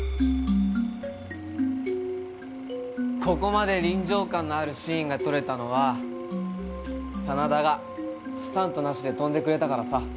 ここまで臨場感のあるシーンが撮れたのは真田がスタントなしで跳んでくれたからさ。